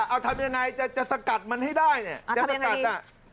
เอาทำยังไงจะสกัดมันให้ได้เนี่ยจะสกัดอ่ะ